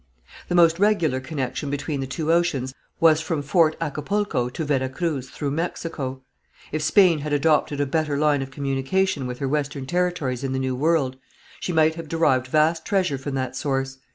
The most regular connection between the two oceans was from Fort Acapulco to Vera Cruz, through Mexico. If Spain had adopted a better line of communication with her western territories in the New World she might have derived vast treasure from that source.